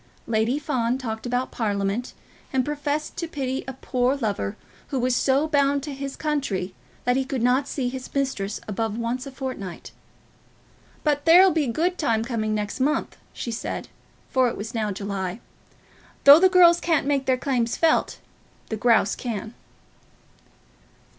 Lady Fawn talked about Parliament, and professed to pity a poor lover who was so bound to his country that he could not see his mistress above once a fortnight. "But there'll be a good time coming next month," she said; for it was now July. "Though the girls can't make their claims felt, the grouse can."